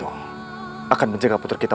untuk menyelamatkan putra kita